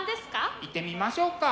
いってみましょうか。